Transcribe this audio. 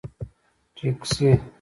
🚖 ټکسي